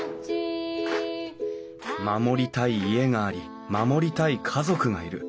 守りたい家があり守りたい家族がいる。